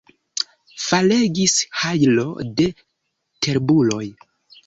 Falegis hajlo da terbuloj.